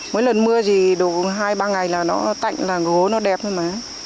mỗi lần mưa thì đủ hai ba ngày là nó tạnh là gỗ nó đẹp thôi mà